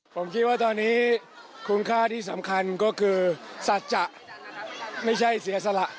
ผมคิดว่าตอนนี้คุณค่าที่สำคัญก็คือสัจจะไม่ใช่เสียสละ